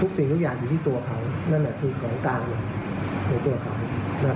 ทุกสิ่งทุกอย่างอยู่ที่ตัวเขานั่นแหละคือของตามในตัวเขา